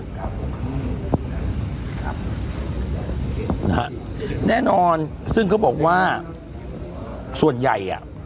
นะฮะแน่นอนซึ่งเขาบอกว่าส่วนใหญ่อ่ะ